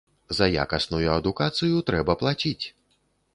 За якасную адукацыю трэба плаціць!